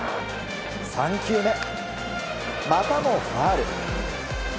３球目、またもファウル。